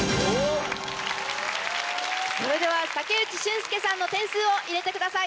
それでは武内駿輔さんの点数を入れてください。